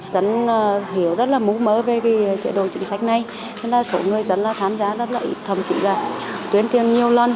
dân hiểu rất là mú mơ về chế đội chính sách này nên là số người dân tham gia rất là thâm trí và tuyên khuyên nhiều lần